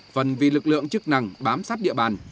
phần vì lực lượng chức năng bám sát địa bàn